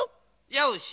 よし！